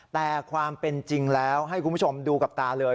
แต่ความเป็นจริงแล้วให้คุณผู้ชมดูกับตาเลย